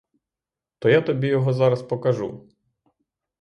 То я тобі його зараз покажу.